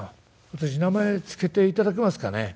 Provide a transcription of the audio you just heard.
私名前付けていただけますかね？」。